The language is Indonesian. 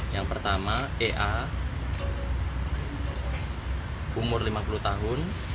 yang pertama ea umur lima puluh tahun